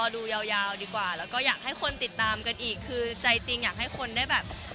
ดูยาวยาวดีกว่าแล้วก็อยากให้คนติดตามกันอีกคือใจจริงอยากให้คนได้แบบ